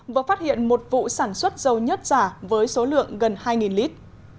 vừa phát hiện một vụ sản xuất dầu nhất giả với số lượng gần hai lít